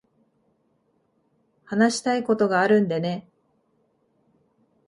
話したいことがあるんでね。